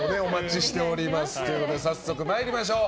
では早速参りましょう。